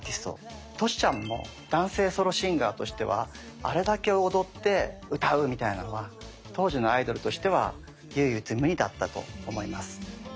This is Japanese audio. トシちゃんも男性ソロシンガーとしてはあれだけ踊って歌うみたいなのは当時のアイドルとしては唯一無二だったと思います。